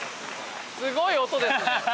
すごい音ですね。